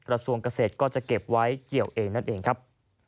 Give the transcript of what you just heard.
กระทรวงเกษตรก็จะเก็บไว้เกี่ยวเองนั่นเองครับ